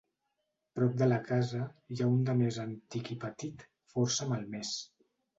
Prop de la casa n'hi ha un de més antic i petit, força malmès.